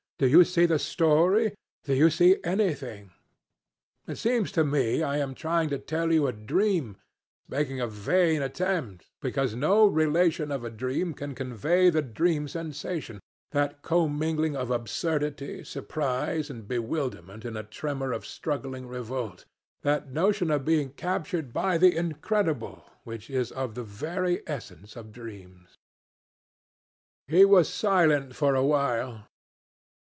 Do you see the story? Do you see anything? It seems to me I am trying to tell you a dream making a vain attempt, because no relation of a dream can convey the dream sensation, that commingling of absurdity, surprise, and bewilderment in a tremor of struggling revolt, that notion of being captured by the incredible which is of the very essence of dreams. ..." He was silent for a while.